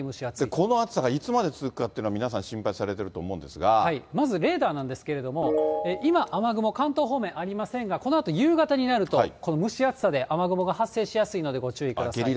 この暑さがいつまで続くかというのは、皆さん、心配されてるまずレーダーなんですけども、今、雨雲、関東方面ありませんが、このあと夕方になると、この蒸し暑さで雨雲が発生しやすいのでご注意ください。